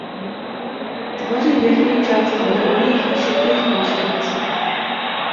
Tvoří vrchní část vodorovných a šikmých konstrukcí.